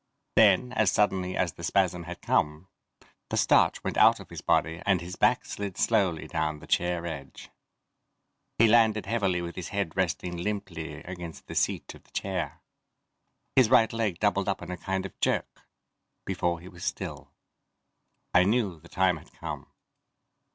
Then, as suddenly as the spasm had come, the starch went out of his body and his back slid slowly down the chair edge. He landed heavily with his head resting limply against the seat of the chair. His right leg doubled up in a kind of jerk, before he was still. I knew the time had come.